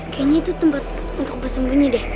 kayaknya itu tempat untuk bersembunyi deh